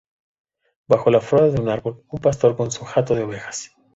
Bajo la fronda de un árbol, un pastor con su hato de ovejas.